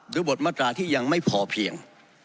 บทมาตราที่ยังไม่พอเพียง